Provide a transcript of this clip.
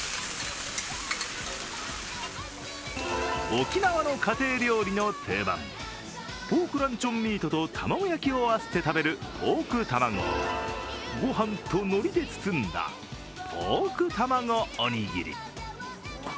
沖縄の家庭料理の定番ポークランチョンミートと卵焼きを合わせて食べるポークたまごをご飯とのりで包んだポークたまごおにぎり。